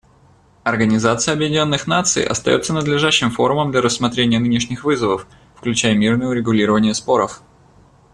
Организация Объединенных Наций остается надлежащим форумом для рассмотрения нынешних вызовов, включая мирное урегулирование споров.